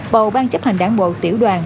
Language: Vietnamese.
bầu ban chấp hành đảng bộ tiểu đoàn